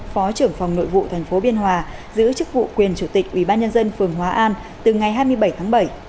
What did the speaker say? phó trưởng phòng nội vụ tp biên hòa giữ chức vụ quyền chủ tịch ubnd phường hóa an từ ngày hai mươi bảy tháng bảy